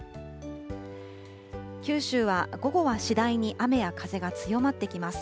九州は、午後は次第に雨や風が強まってきます。